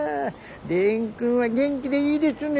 蓮くんは元気でいいでちゅね。